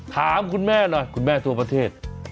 ถามคุณแม่หน่อยคุณแม่ทั่วประเทศ